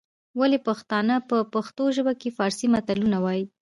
ولي پښتانه په پښتو ژبه کي فارسي مثالونه وايي؟